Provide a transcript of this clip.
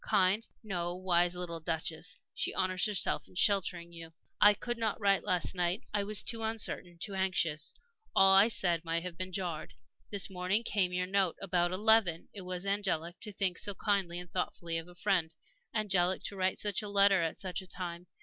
Kind no, wise little Duchess! She honors herself in sheltering you. "I could not write last night I was too uncertain, too anxious. All I said might have jarred. This morning came your note, about eleven. It was angelic to think so kindly and thoughtfully of a friend angelic to write such a letter at such a time.